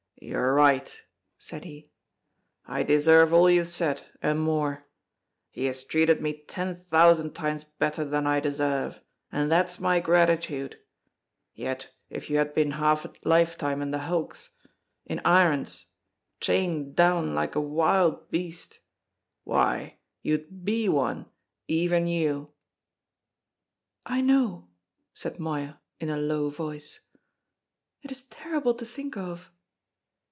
"You're right!" said he. "I deserve all you've said, and more. He has treated me ten thousand times better than I deserve, and that's my gratitude! Yet if you had been half a lifetime in the hulks in irons chained down like a wild beast why, you'd be one, even you!" "I know," said Moya in a low voice. "It is terrible to think of!"